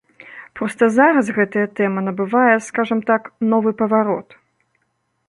Проста зараз гэтая тэма набывае, скажам так, новы паварот.